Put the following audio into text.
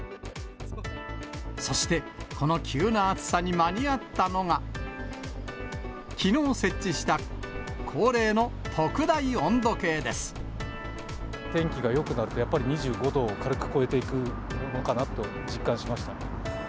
そして、この急な暑さに間に合ったのが、きのう設置した、天気がよくなると、やっぱり２５度を軽く超えていくのかなと実感しました。